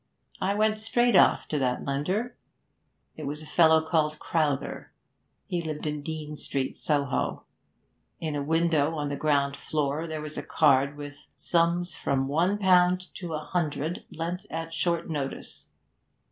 I went straight off to the lender. It was a fellow called Crowther; he lived in Dean Street, Soho; in a window on the ground floor there was a card with "Sums from One pound to a Hundred lent at short notice."